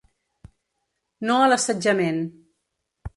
No a l’assetjament.